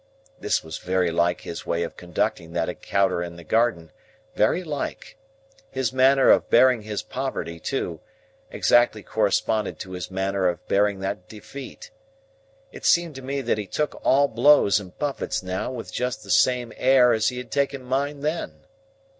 This was very like his way of conducting that encounter in the garden; very like. His manner of bearing his poverty, too, exactly corresponded to his manner of bearing that defeat. It seemed to me that he took all blows and buffets now with just the same air as he had taken mine then.